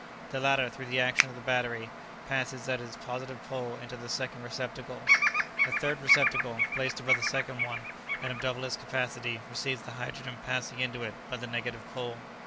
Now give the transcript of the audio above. "The latter, through the action of the battery, passes at its positive pole into the second receptacle. A third receptacle, placed above the second one, and of double its capacity, receives the hydrogen passing into it by the negative pole.